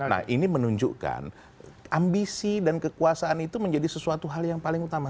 nah ini menunjukkan ambisi dan kekuasaan itu menjadi sesuatu hal yang paling utama